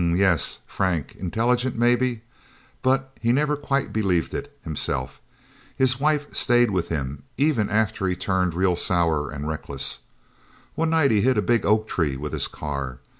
"Hmmm yes, Frank. Intelligent, maybe but he never quite believed it, himself. His wife stayed with him, even after he turned real sour and reckless. One night he hit a big oak tree with his car.